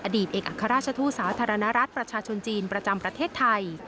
เอกอัครราชทูตสาธารณรัฐประชาชนจีนประจำประเทศไทย